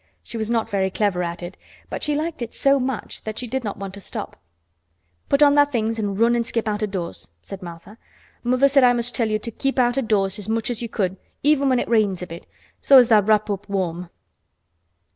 She was not very clever at it, but she liked it so much that she did not want to stop. "Put on tha' things and run an' skip out o' doors," said Martha. "Mother said I must tell you to keep out o' doors as much as you could, even when it rains a bit, so as tha' wrap up warm."